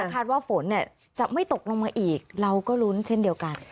คาดว่าฝนจะไม่ตกลงมาอีกเราก็ลุ้นเช่นเดียวกัน